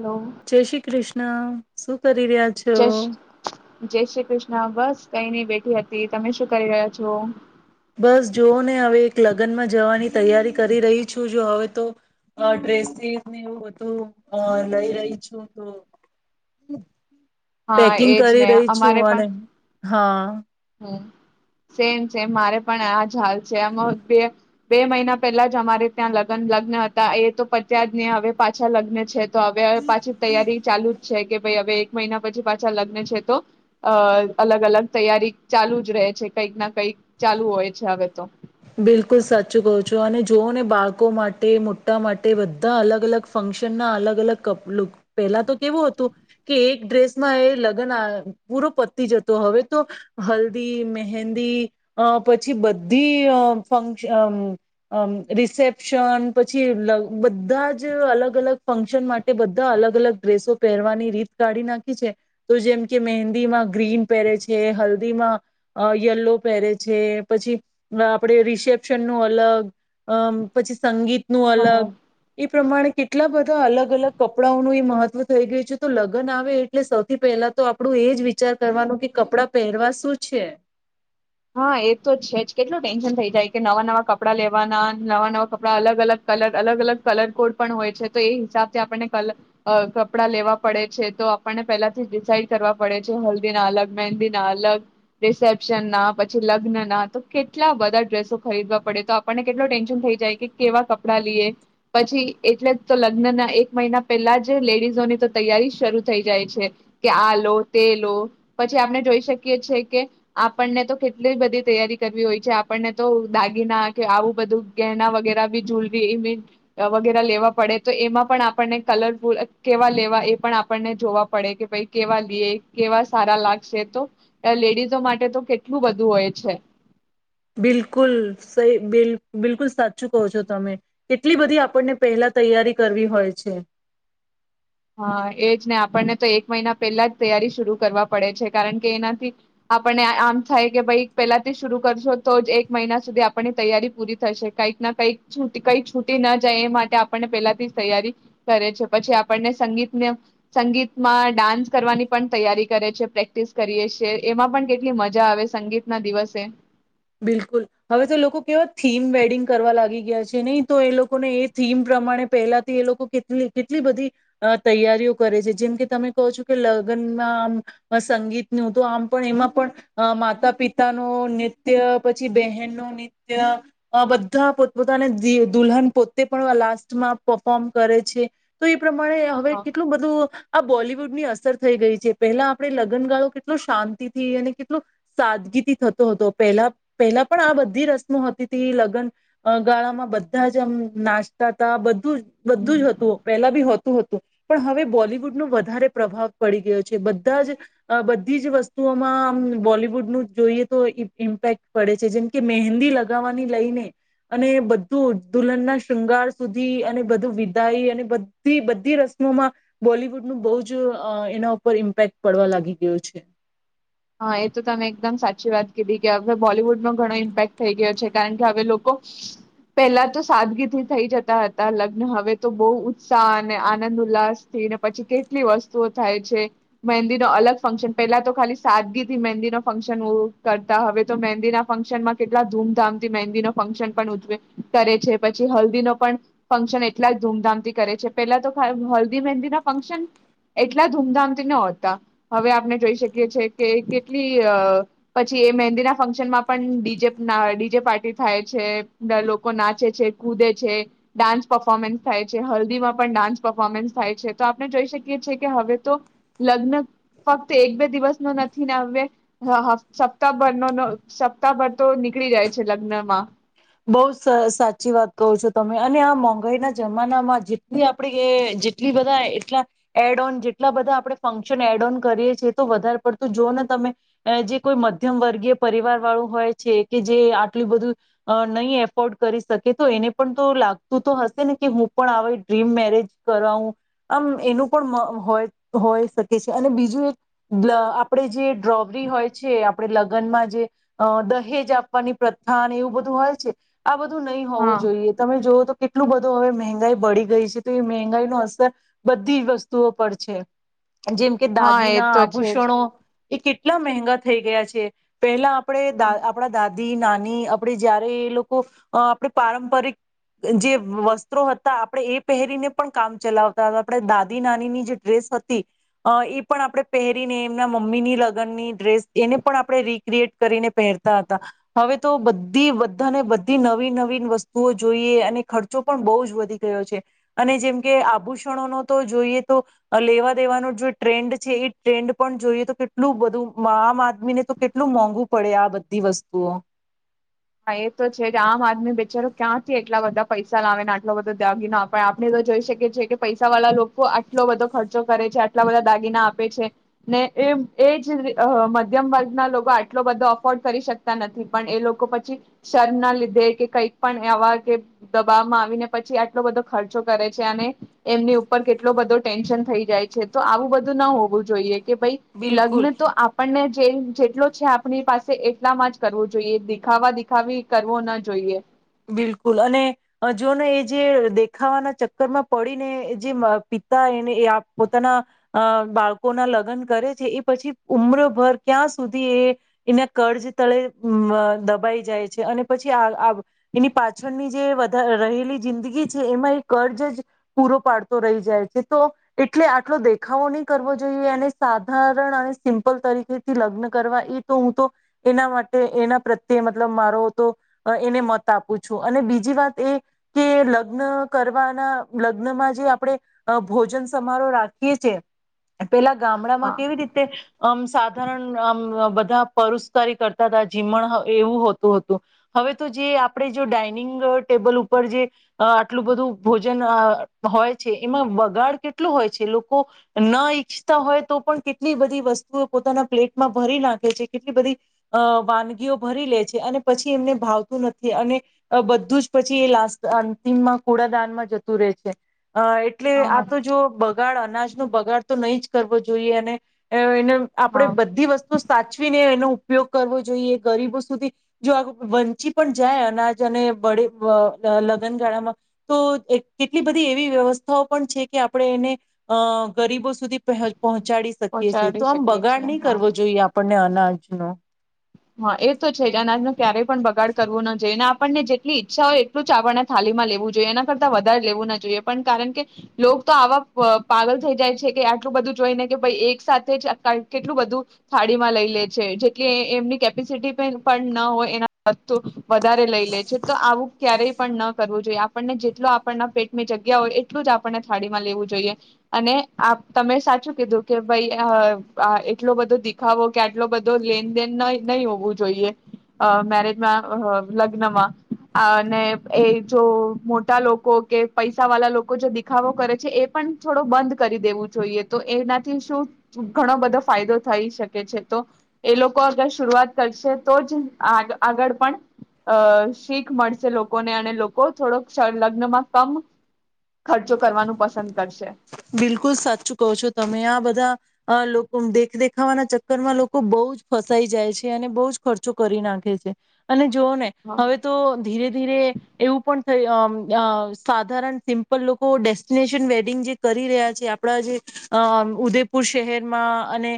Hello જય શ્રી કૃષ્ણ. શું કરી રહ્યા છ? જય શ્રી જય શ્રી કૃષ્ણ. બસ કઈ નઈ બેઠી હતી તમે શું કરી રહ્યા છો? લગનમાં જવાની તૈયારી કરી રહી છું જો હવે તો ડ્રેસીસ બધું લઈ રહી છું તો હા પેકિંગ એજ કરી ને રહી છું અને હા. સેમ-સેમ મારે પણ આ જ હાલ છે બે-બે મહિના પહેલા જ અમારે ત્યાં લગ્ન-લગ્ન હતા એ તો પત્યા જ ને હવે પાછા લગ્ન છે. તો હવે પાછી તૈયારી ચાલુ જ છે કે ભઈ હવે મહિના પછી પાછા લગ્ન છે તો અ અલગ-અલગ તૈયારી ચાલુ જ રહે છે કંઈક ના કંઈક ચાલુ હોય છે હવે તો બિલકુલ સાચું કહો છો અને જોઓ ને બાળકો માટે મોટા માટે બધા અલગ અલગ ફંક્શનના અલગ-અલગ કુક પહેલા તો કેવું હતું કે એક ડ્રેસમાં એ લગ્ન પૂરો પતી જતો હવે તો હલ્દી, મહેંદી પછી બ બધી અ ફંક્શ રિસેપ્શન પછી બધા જ અલગ અલગ ફંક્શન માટે બધા અલગ-અલગ ડ્રેસો પહેરવાની રીત કાઢી નાખી છે તો જેમ કે મહેંદીમાં ગ્રીન પહેરે છે, હલ્દીમાં અ યલો પહેરે છે પછી આપડે રિસેપ્શન નું અલગ. અમ પછી સંગીત નું અ અલગ એ પ્રમાણે કેટલા બધા અલગ અલગ કપડાઓનું એ મહત્વ થઈ ગયું છે તો લગન આવે એટલે સૌથી પહેલા તો આપણું એ જ વિચાર કરવાનું કે કપડાં પહેરવા શું છે. હા એ તો છે જ, કેટલું ટેન્શન થઈ જાય કે નવા-નવા કપડાં લેવાના નવા-નવા કપડા અલગ-અલગ કલર, અલગ-અલગ કલર કોડ પણ હોય છે તો એ હિસાબથી આપણને કલ કપડાં લેવા પડે છે તો આપણને પહેલાથી ડિસાઈડ કરવા પડે છે હલ્દીના અલગ, મહેંદી ના અલગ, રિસેપ્શન ના પછ લગ્ન ના તો કેટલા બધા ડ્રેસો ખરીદવા પડે તો આપણને કેટલો ટેન્શન થઈ જાય કે કેવા કપડાં લઈએ પછી એટલે તો લગ્ન ના એક મહિના પહેલા જ લેડીઝોની તો તૈયારી શરૂ થઈ જાય છે કે આ લો તે લો પછી આપણે જોઈ શકીએ છે કે આપણને તો કેટલી બધી તૈયારી કરવી હોય છે આપણને તો દાગીના કે આવું બધું ગહેના વગેરે બી જૂલરી ઇમ વગેરે લેવા પડે તો એમાં પણ આપણને કલરફૂલ કેવા લેવા એ પણ આપણને જોવા પડે કે ભાઈ કેવા લઈએ, કેવા સારા લાગશે તો લેડીઝો માટે તો કે કેટલું બધું હોય છે. બિલકુલ, સહીલ બિલકુલ સાચું કહો છો તમે, કેટલી બધી આપણને પહેલા તૈયારી કરવી હોય છે. હા એ જ ને આપણને તો એક મહિના પહેલા જ તૈયારી શરૂ કરવા પડે છે કારણ કે એનાથી આપણને આમ થાય કે ભાઈ પહેલાથી શરૂ કરશો તો જ એક મહિના સુધી આપણી તૈયારી પૂરી થશે કઈક ના કંઈક છ કંઈક છૂટી ના જાય એ માટે આપણને પહેલાથી જ તૈયારી કરે છે પછી આપણને સંગીતને સંગીતમાં ડાન્સ કરવાની પણ તૈયારી કરે છે પ્રેક્ટિસ કરીએ છીએ એમાં પણ કેટલી મજા આવે સંગીતના દિવસે બિલકુલ, હવે તો લોકો કેવા થીમ વેડિંગ કરવા લાગી ગયા છે નહીં તો એ લોકોને એ થીમ પ્રમાણે પહેલાથી એ લોકો કેટલી કેટલી બધી તૈયારીઓ કરે છે, જેમ કે તમે કહો છો કે લગ્નમાં આમ સંગીતનું તો આમ પણ એમાં પણ માતા પિતાનો ને નુત્ય, પછી બહેનનું નિત્ય, બધા પોતપોતાને દુલ્હન પોતે પણ લાસ્ટમાં પફોર્મ કરે છે તો એ પ્રમાણે હવે હ કેટલું બધું આ બોલિવુડ ની અસર થઈ ગઈ છે પેલા આપણે લગ્નગાળો કેટલો શાંતિથી અને કેટલો સાદગીથી થતો હતો. પહેલા-પહેલા પણ આ બધી રસમો હતી ત લગન ગાળામાં બધા જ આમ નાચતા તા બધું જ બધું જ હતું પેલા બી હોતું. હતો પણ હવે બોલીવુડનો વધારે પ્રભાવ પડી ગયો છે બધા જ બધી જ વસ્તુઓમાં બોલીવુડનું જોઈએ તો ઇમ્પેક્ટ પડે છે જેમ કે મહેંદી લગાવવાની લઈને અને બધું દુલ્હનના શૃંગાર સુધી અને બધું વિદાય અને બધી બધી રસમોમાં બોલીવુડનું બહુ જ એના ઉપર ઇમ્પેક્ટ પડવા લાગી ગયો છે. હા એ તો તમે એકદમ સાચી વાત કીધી કે હવે બોલીવુડ નો ઘણો ઇમ્પેક્ટ થઈ ગયો છે કારણ કે હવે લોકો પહેલા તો સાદગીથી થઈ જતા હતા લગ્ન હવે તો બહુ ઉત્સાહ અને આનંદ ઉલ્લાસ થી ને પછી કેટલી વસ્તુઓ થાય છે મહેંદી ન અલગ ફંક્શન પહેલા તો ખાલી સાદગીથી મહેંદીનો ફંક્શન કરતા હવે તો મહેંદીના ફંક્શનમાં કેટલા ધૂમધામથી મહેંદીનો ફંક્શન પણ ઉજવે કરે છે, પછી હલ્દીનો પણ ફંક્શન એટલા ધૂમધામથી કરે છે પેલા તો હલ્દી, મહેંદીના ફંક્શન એટલા ધૂમધામથી નોતા હવે આપણે જોઈ શકીએ છીએ કે કેટલી અ પછી એ મહેંદીના ફંક્શનમાં પણ ડીજે અ ડીજે પાર્ટી થાય છે, લોકો નાચે છે, કૂદે છે, ડાન્સ પર્ફોર્મન્સ થાય છે, હલ્દીમાં પણ ડાન્સ પર્ફોર્મન્સ થાય છે તો આપણે જોઈ શકીએ છીએ કે હવે તો લગ્ન ફક્ત એક બે દિવસનો નથી ને હવે હ સપ્તાહભર ન સપ્તાહભર તો નીકળી જાય છે લગ્નમાં. બઉ સાચી વાત કહો છો તમે અને આ મોંઘાઈના જમાનામાં જેટલી આપણે જેટલી બધા એટલા એડ ઓન જેટલા બધા આપડણે ફંક્શન એડ ઓન કરીએ છે તો વધારે પડતું જો ને તમે જે કોઈ મધ્યમ વર્ગીય પરિવાર વાળું હોય છે કે જે આટલું બધું અ નહીં એફોર્ડ કરી શકે તો એને પણ તો લાગતું તો હશે ને કે હું પણ આવે ડ્રીમ મેરેજ કરાવું, આમ એનું પણ મ હોય હોય શકે છે અને બીજું એક આપણે જે ડ્રોવરી હોય છે આપણે લગ્નમાં જે દહેજ આપવાની પ્રથા ને એવું બધું હોય છે. આ બધું નહીં હોવું હા જોઈએ તમે જોવો તો કેટલું બધું હવે મંહેગાઈ બળી ગઈ છે તો એ મંહેગાઈનો અસર બધી જ વસ્તુઓ પર છે. જેમ કે હા એ દાગીના, તો છે જ આભૂષણો એ કેટલા મહેંગા થઈ ગયા છે પહેલા આપણે દા હા આપણા દાદી નાની ની આપણે જયારે એ લોકો આપણે પારંપરિક જે વસ્ત્રો હતા આપણે એ પહેરીને પણ કામ ચલાવતા હતા આપણે દાદી નાનીની જે ડ્રેસ હતી એ પણ આપણે પહેરીને એમના મમ્મીની લગ્નની ડ્રેસ એને પણ આપણે રિક્રિએટ કરીને પહેરતા હતા હવે તો બ બધી બધાને બધી નવી નવી વસ્તુઓ જોઈએ અને ખર્ચો પણ બહુ જ વધી ગયો છે અને જેમ કે આભૂષણોનો તો જોઈએ તો લેવા દેવાનો જે ટ્રેન્ડ છે એ ટ્રેન્ડ પણ જોઈએ તો કેટલું બધું આમ આદમીને તો કેટલું મોંઘું પડે આ બધી વસ્તુઓ. હા એ તો છે આમ આદમી બેચારો ક્યાંથી એટલા બધા પૈસા લાવે ને આટલો બધો દાગીના આપે આપણે તો જોઈ શકીએ છીએ કે પૈસા વાળા લોકો આટલો બધો ખર્ચો કરે છે આટલા બધા દાગીના આપે છે ને એ એ જ મધ્યમ વર્ગના લોકો આટલો બધો અફોર્ડ કરી શકતા નથી પણ એ લોકો પછી શરમ ના લીધે કે કંઈક પણ આવા કે દબાવમાં આવીને પછી આટલો બધો ખર્ચો કરે છે અને એમની ઉપર કેટલો બધો ટેન્શન થઈ જાય છે તો આવું બધું ના હોવું જોઈએ. કે ભાઈ બિલકુલ લગ્ન તો આપણને જેટલો છે આપણી પાસે એટલામાં જ કરવો જોઈએ. ખાવા દિખાવી કરવો ના જોઈએ. બિલકુલ અને જોને એ જે દેખાવાના ચક્કરમાં પડીને જે પિતા એને એ પોતાના બાળકોના લગ્ન કરે છે એ પછી ઉમ્રભર ક્યાં સુધી એ એના કર્જ તળે દબાઈ જાય છે અને પછી આ એની પાછળની જેારે રહેલી જિંદગી છે એમાં એ કર્જ જ પૂરો પાડતો રહી જાય છે તો એટલે આટલો દેખાવો નહી કરવો જોઈએ એને સાધારણ અને સિમ્પલ તરીકેથી લગ્ન કરવા એ તો હું તો એના માટે એના પ્રત્યે મતલબ મારો તો એને મત આપું છું અને બીજી વાત એ કે લગ્ન કરવાના લગ્નમાં જે આપણે ભોજન સમારોહ રાખીએ છે. પેલા ગામડામાં હા કેવી રીતે આમ સાધારણ અમ બધ પરુસ્કારી કરતા હતા જીમણ એવું હોતું હતું હવે તો જે આપ આપણે જો ડાઇનિંગ ટેબલ ઉપર જે આટલું બધું ભોજન હોય છે એમાં વગાડ કેટલું હોય છે લોકો ન ઈચ્છતા હોય તો પણ કેટલી બધી વસ્તુઓ પોતાના પ્લેટમાં ભરી નાખે છે કેટલી બધી અ વાનગીઓ ભરી લે છે અને પછી એમને ભાવતું નથી. અને બધું જ પછી એ લાસ્ટ અંતિમમાં કુડાદાનમાં જતું રહે છે. અ એટલે આ હા તો જો બગાડ અનાજ ન બગાડ તો નહી જ કરવો જોઈએ અને આપડે હા બધી વસ્તુ સાચવીને એનું ઉપયોગ કરવો જોઈએ ગરીબો સુધી જો આ વંચિત પણ જાય અનાજ અને બળે લગ્નગાળામાં તો કેટલી બધી એવી વ્યવસ્થાઓ પણ છે કે આપણે એને ગરીબો સુધી પ પહોંચાડી શકીએ છીએ પહોંચાડી તો આમ શકીએ બગાડ છીએ નહી હા કરવો જોઈએ આપણને. [unintelligible] હા એ તો છે જ અનાજ ન ક્યારેય પણ બગાડ કરવું ના જોઈએ ને આપણને જેટલી ઈચ્છા હોય એટલું જ આપણને થાળીમાં લેવું જોઈએ એના કરતા વધારે લેવું ના જોઈએ પણ કારણ કે લોગ તો આવા પ પાગલ થઈ જાય છે કે આટલું બધું જોઈ ને કે ભાઈ એક સાથે જ ક કેટલું બધું થાળી માં લઈ લે છે. જેટલી એ એમની કેપેસિટી પણ ન હોય એના વધારે લઈ લે છે તો આવું ક્યારેય પણ ન કરવું જોઈએ આપણને જેટલો આપણના પેટની મે જગ્યા હોય એટલું જ આપણને થાળીમાં લેવું જોઈએ અને તમે સાચું કીધું કે ભાઈ હ અ એટલો બધો દિખાવો કે આટલો બધો લેનદેન નઈ નહી હોવું જોઈએ મેરેજમાં લગ્નમાં અને એ જો મોટા લોકો કે પૈસા વાળા લોકો જે દેખાવો કરે છે. એ પણ થોડો બંધ કરી દેવું જોઈએ તો એનાથી શું ઘણો બધો ફાયદો થઈ શકે છે તો એ લોકો અગસ શરૂઆત કરશે તો જ આગળ પણ અ શીખ મળશે લોકોને અને લોકો થોડોક લગ્નમાં કમ ખર્ચો કરવાનું પસંદ કરશે. બિલકુલ સાચું કહો છો તમે આ બધા લોકો દેખ દેખાવાના ચક્કરમાં લોકો બઉજ ફસાઈ જાય છે. અને બઉજ ખર્ચો કરી નાખે છે. અને જોઓને હા હવે તો ધીરે ધીરે એવું પણ અ અમ્મ સાધારણ સિમ્પલ લોકો ડેસ્ટિનેશન વેડિંગ જે કરી રહ્યા છે આપણા જે ઉદેપુર શહેરમાં અને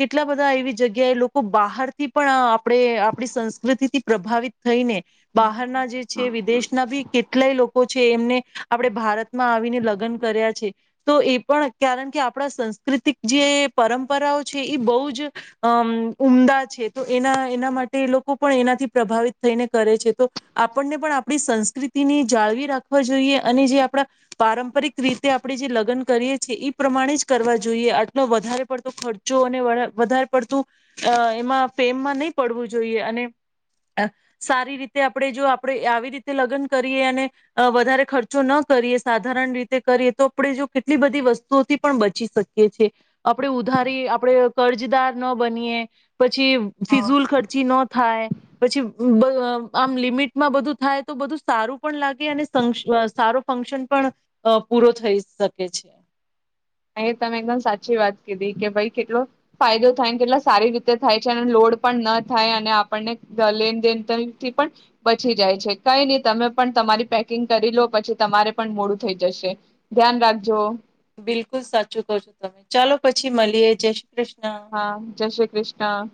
કેટલા બધા એવી જગ્યાએ લોકો બહારથી પણ અ આપણે આપણી સંસ્કૃતિથી પ્રભાવિત થઈ ને બહારના જે છે વિદેશના બી કેટલાય લોકો છે એમને આપડે ભારતમાં આવીને લગ્ન કર્યા છે. તો એ પણ કારણ કે આપણા સંસ્કૃતિક જે પરંપરાઓ છે એ બહુ જ અમ્મ ઉમદા છે. તો એના એના માટે લોકો પણ એનાથી પ્રભાવિત થઈને કરે છે. તો આપણને પણ આપણી સંસ્કૃતિની જાળવી રાખવા જોઈએ અને જે આપણા પારંપરિક રીતે આપણે જે લગ્ન કરીએ છે. એ પ્રમાણે જ કરવા જોઈએ આટલો વધારે પડતો ખર્ચો અને વધારે પડતું અ એમાં ફેમમાં નહીં પડવું જોઈએ અને સારી રીતે આપણે જો આપણે આવી રીતે લગ્ન કરીએ અને અ વધારે ખર્ચો ન કરીએ સાધારણ રીતે કરીએ તો આપણે જો કેટલી બધી વસ્તુઓથી પણ બચી શકીએ છીએ. આપણે ઉધારી આપણે કર્જદાર ન બનીએ પછી ફિઝુલ હ ખર્ચી ન થાય. પછી બ આમ લિમિટમાં બધું થાય. તો બધું સારું પણ લાગે સં અને સારો ફંક્શન પણ પૂરો થઈ શકેે છે. અહી તમે એકદમ સાચી વાત કીધી કે ભાઈ કેટલો ફાયદો થાય કેટલા સારી રીતે થાય છે. અને લોડ પણ ન થાય, અને આપણને લેનદેનથી પણ બચી જાય છે. કઈ નહી તમે પણ તમારી પેકિંગ કરી લો પછી તમારે પણ મોડું થઈ જશે ધ્યાન રાખજો. બિલકુલ સાચું કવો છો તમે. ચાલો પછી મળીએ જય કૃષ્ણ હા જય શ્રી કૃષ્ણ